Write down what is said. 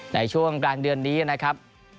ในช่วงกลางเดือนนี้นะครับ